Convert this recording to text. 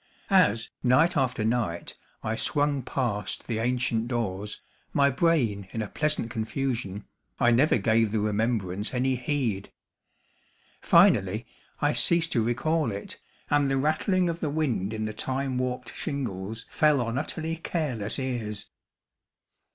As, night after night, I swung past the ancient doors, my brain in a pleasant confusion, I never gave the remembrance any heed. Finally, I ceased to recall it, and the rattling of the wind in the time warped shingles fell on utterly careless ears.